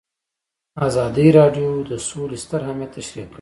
ازادي راډیو د سوله ستر اهميت تشریح کړی.